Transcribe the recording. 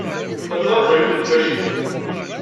La ttṛajuɣ yiwet n tmacint.